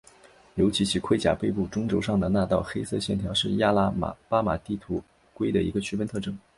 尤其其盔甲背部中轴上的那道黑色线条是亚拉巴马地图龟的一个区分特征。